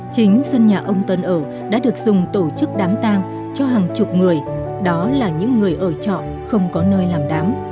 chính sân nhà ông tân ở đã được dùng tổ chức đám tang cho hàng chục người đó là những người ở trọ không có nơi làm đám